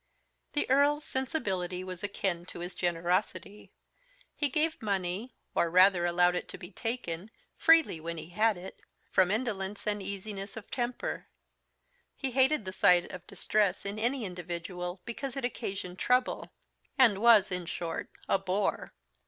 The Earl's sensibility was akin to his generosity; he gave money (or rather allowed it to be taken) freely when he had it, from indolence and easiness of temper; he hated the sight of distress in any individual, because it occasioned trouble, and was, in short, a _bore.